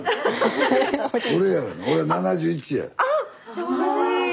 じゃあ同じ。